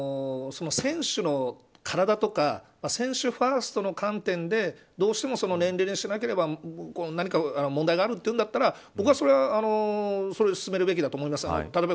だから、年齢制限の意味が選手の体とか選手ファーストの観点でどうしてもその年齢にしなければ何か問題があるというんだったら僕は、それはそれで進めるべきだと思います。